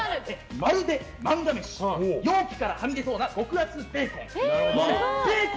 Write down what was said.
まるで漫画飯容器からはみ出しそうな極厚ベーコン。